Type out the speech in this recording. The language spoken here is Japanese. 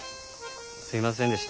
すいませんでした。